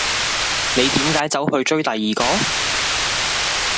你點解走去追第二個？